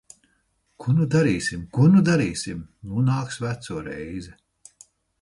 Ko nu darīsim? Ko nu darīsim? Nu nāks veco reize.